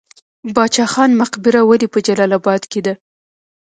باچا خان مقبره ولې په جلال اباد کې ده؟